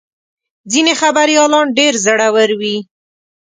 ځینې خبریالان ډېر زړور وي.